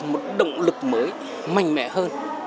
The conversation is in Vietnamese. một động lực mới mạnh mẽ hơn